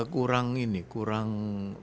kurang ini kurang